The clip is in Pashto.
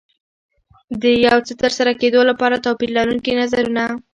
د یو څه ترسره کېدو لپاره توپير لرونکي نظرونه.